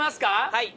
はい。